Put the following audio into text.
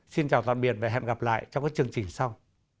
xin chào tạm biệt và hẹn gặp lại trong các chương trình sau